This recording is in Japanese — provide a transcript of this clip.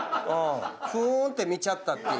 ふーんって見ちゃったっていう。